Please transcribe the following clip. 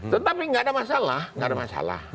tetapi nggak ada masalah